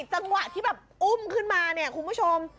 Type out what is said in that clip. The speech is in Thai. จังหวะที่มันอุ่มขึ้นมานะคุณผู้ชม